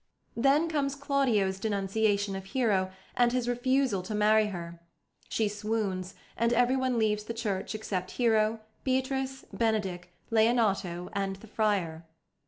Then comes Claudio's denunciation of Hero and his refusal to marry her; she swoons, and everyone leaves the church except Hero, Beatrice, Benedick, Leonato, and the friar.